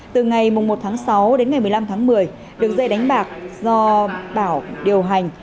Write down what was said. từ ngày một tháng sáu đến ngày một mươi năm tháng một mươi đường dây đánh bạc do bảo điều hành